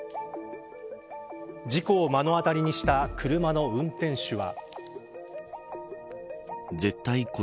事故を目の当りにした車の運転手は。